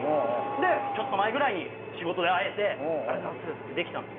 でちょっと前ぐらいに仕事で会えて「ありがとうございます」ってできたんです。